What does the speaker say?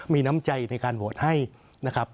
มีน้ำใจในการโหวตให้นะครับ